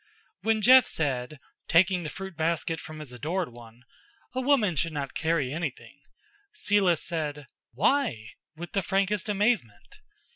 When Jeff said, taking the fruit basket from his adored one, "A woman should not carry anything," Celis said, "Why?" with the frankest amazement.